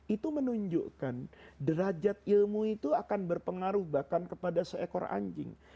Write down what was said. itu menunjukkan derajat ilmu itu akan berpengaruh bahkan kepada seekor anjing